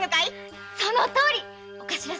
そのとおりよ。